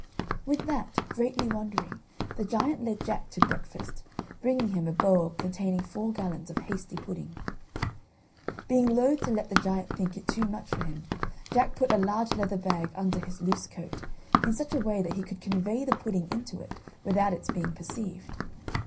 With that, greatly wondering, the giant led Jack to breakfast, bringing him a bowl containing four gallons of hasty pudding. Being loth to let the giant think it too much for him, Jack put a large leather bag under his loose coat, in such a way that he could convey the pudding into it without its being perceived.